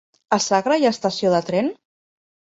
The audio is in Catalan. A Sagra hi ha estació de tren?